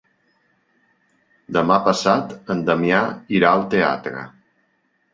Demà passat en Damià irà al teatre.